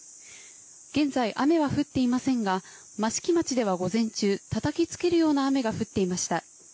現在、雨は降っていませんが、益城町では午前中、たたきつけるような雨が降っていました。